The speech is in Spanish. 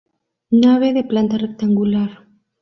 Nave de planta rectangular.